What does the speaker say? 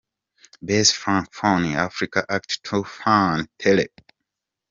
Best Francophone Africa Act Toofan – Terre.